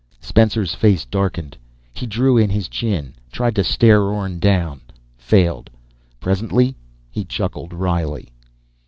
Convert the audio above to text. Spencer's face darkened. He drew in his chin, tried to stare Orne down, failed. Presently, he chuckled wryly.